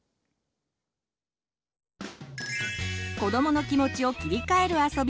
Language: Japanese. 子どもの気持ちを切り替えるあそび